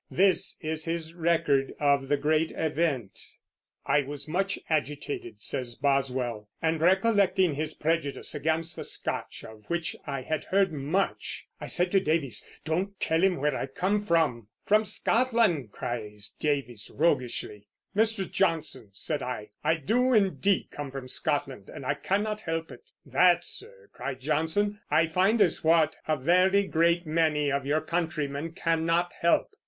This is his record of the great event: I was much agitated [says Boswell] and recollecting his prejudice against the Scotch, of which I had heard much, I said to Davies, "Don't tell him where I come from." "From Scotland," cried Davies roguishly. "Mr. Johnson," said I, "I do indeed come from Scotland, but I cannot help it."... "That, sir" [cried Johnson], "I find is what a very great many of your countrymen cannot help."